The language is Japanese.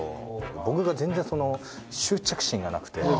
僕が全然執着心がなくて。